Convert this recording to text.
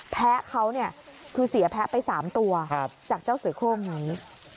แพะเขาคือเสียแพะไป๓ตัวจากเจ้าสื่อโครง